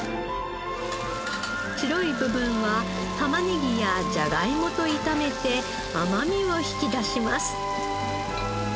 白い部分はタマネギやジャガイモと炒めて甘みを引き出します。